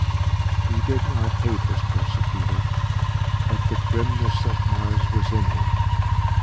He did not hate his persecutor, but the grimness of Mars was in him.